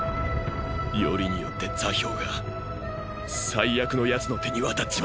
よりによって「座標」が最悪の奴の手に渡っちまった。